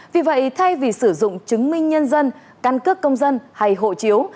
vì vậy thay vì sử dụng chứng minh nhân dân căn cước công dân hay hộ chiếu